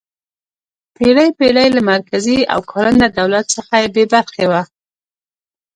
پېړۍ پېړۍ له مرکزي او کارنده دولت څخه بې برخې وه.